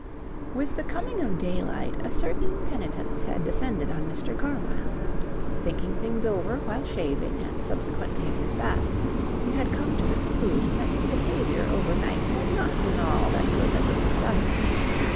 With the coming of daylight a certain penitence had descended on Mr. Carmyle. Thinking things over while shaving and subsequently in his bath, he had come to the conclusion that his behaviour overnight had not been all that could have been desired.